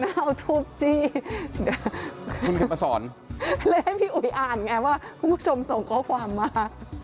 ดูหน้าเอาทูปจี้เลยให้พี่อุ๋ยอ่านไงว่าคุณผู้ชมส่งข้อความมา